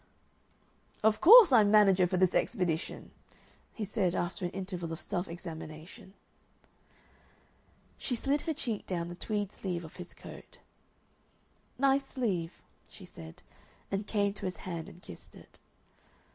"Of course I'm manager for this expedition," he said, after an interval of self examination. She slid her cheek down the tweed sleeve of his coat. "Nice sleeve," she said, and came to his hand and kissed it.